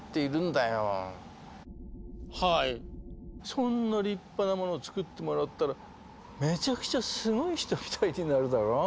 そんな立派なものつくってもらったらめちゃくちゃすごい人みたいになるだろう。